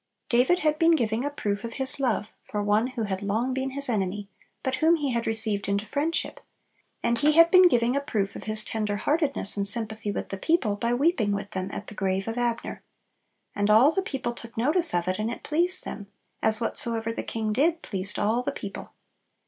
David had been giving a proof of his love for one who had long been his enemy, but whom he had received into friendship; and he had been giving a proof of his tender heartedness and sympathy with the people, by weeping with them at the grave of Abner. "And all the people took notice of it, and it pleased them: as whatsoever the king did pleased all the people."